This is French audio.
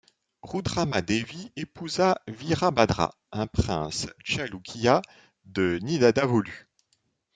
Rudrama Devi épousa Virabhadra, un prince Tchaloukya de Nidadavolu.